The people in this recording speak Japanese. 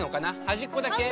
端っこだけ？